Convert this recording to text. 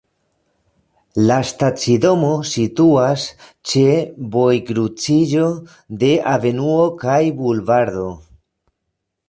La stacidomo situas ĉe vojkruciĝo de avenuo kaj bulvardo.